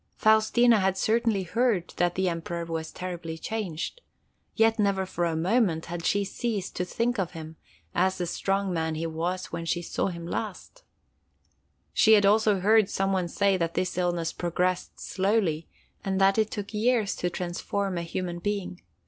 Faustina had certainly heard that the Emperor was terribly changed, yet never for a moment had she ceased to think of him as the strong man he was when she last saw him. She had also heard some one say that this illness progressed slowly, and that it took years to transform a human being.